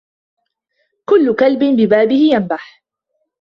كل كلب ببابه ينبح